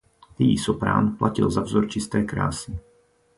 Její soprán platil za vzor čisté krásy.